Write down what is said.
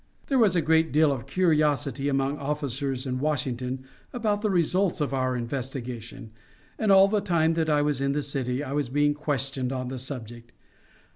There was a great deal of curiosity among officers in Washington about the result of our investigation, and all the time that I was in the city I was being questioned on the subject.